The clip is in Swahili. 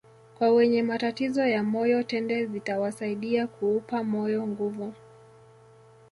Kwa wenye matatizo ya moyo tende zitawasaidia kuupa moyo nguvu